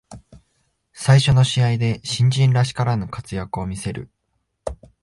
最初の試合で新人らしからぬ活躍を見せる